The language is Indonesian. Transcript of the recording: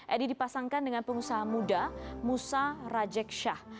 edi dipasangkan dengan pengusaha muda musa rajek syah